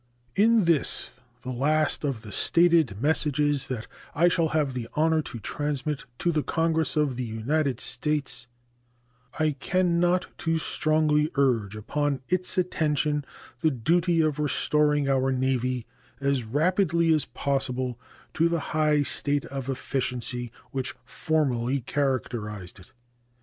In this the last of the stated messages that I shall have the honor to transmit to the Congress of the United States I can not too strongly urge upon its attention the duty of restoring our Navy as rapidly as possible to the high state of efficiency which formerly characterized it.